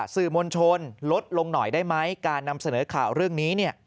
สื่อมวลชนลดลงหน่อยได้ไหมการนำเสนอข่าวเรื่องนี้เนี่ย